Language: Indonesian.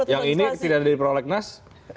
yang ini tidak ada di prolegnas